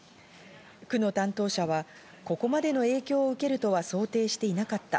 区の担当者はここまでの影響を受けるとは想定していなかった。